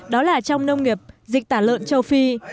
đó là trong nông nghiệp dịch tả lợn châu phi